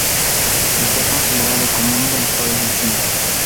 Está considerado como uno de los padres del cine.